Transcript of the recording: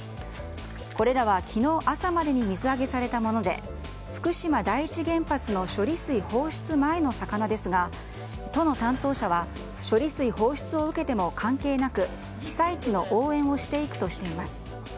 これらは、昨日朝までに水揚げされたもので福島第一原発の処理水放出前の魚ですが都の担当者は処理水放出を受けても関係なく被災地の応援をしていくとしています。